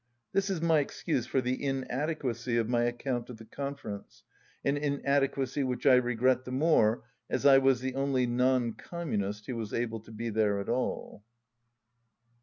This is my excuse for the inadequacy of Tiy account of the conference, an inadequacy which I regret the more as I was the only non Communist who was able to be there at all.